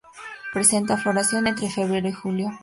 Presenta floración entre febrero y julio.